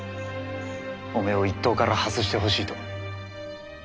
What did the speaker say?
おめえを一党から外してほしいと。